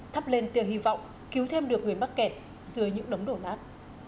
thắp lên tia hy vọng cứu thêm được người mắc kẹt dưới những đống đổ nát